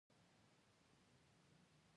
افغانستان په خپلو کوچیانو باندې تکیه لري.